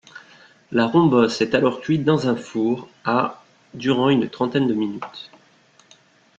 La rombosse est alors cuite dans un four à durant une trentaine de minutes.